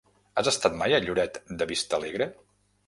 Has estat mai a Lloret de Vistalegre?